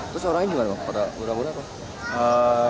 terus orangnya gimana pada gura gura apa